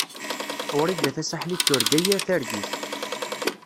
Wrida Tasaḥlit turga yir targit.